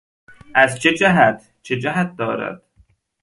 ازچه جهت ـ چه جهت دارد